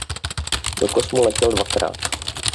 Do kosmu letěl dvakrát.